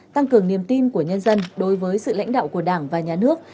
tăng cường niềm tin của nhân dân đối với sự lãnh đạo của đảng và nhà nước